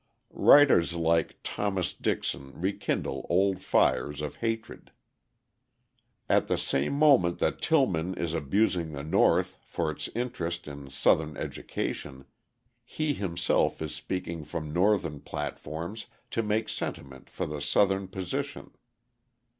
Writers like Thomas Dixon rekindle old fires of hatred. At the same moment that Tillman is abusing the North for its interest in Southern education, he himself is speaking from Northern platforms to make sentiment for the Southern position.